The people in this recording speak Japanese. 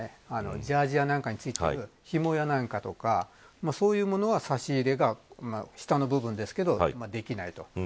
ジャージなんかについてひもなんかとかそういうものは差し入れが下の部分ですけどできないと。